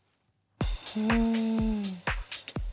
うん。